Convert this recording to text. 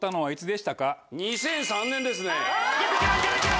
２００３年ですね。